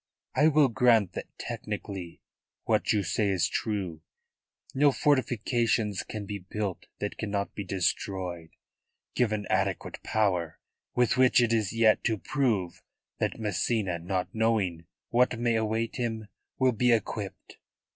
I will grant that technically what you say is true. No fortifications can be built that cannot be destroyed given adequate power, with which it is yet to prove that Massena not knowing what may await him, will be equipped.